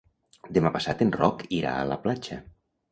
Demà passat en Roc irà a la platja.